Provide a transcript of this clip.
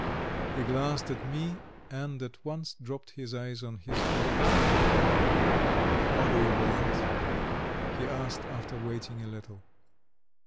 He glanced at me, and at once dropped his eyes on his drawing. "What do you want?" he asked, after waiting a little.